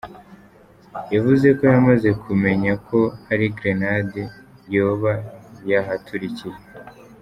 Yavuze ko yamaze kumenya ko hari grenade yoba yahaturikiye.